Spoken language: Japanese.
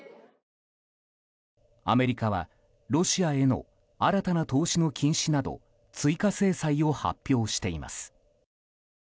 アメリカはロシアへの新たな投資の禁止など追加制裁を発表しています。